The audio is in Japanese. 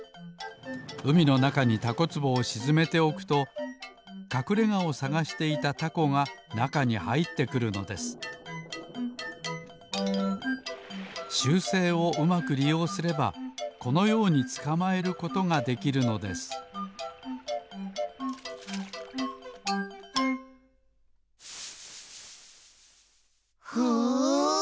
うみのなかにタコつぼをしずめておくとかくれがをさがしていたタコがなかにはいってくるのです習性をうまくりようすればこのようにつかまえることができるのですふん。